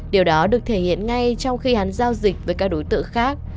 điều đó được thể hiện ngay trong khi hắn giao dịch với các đối tượng khác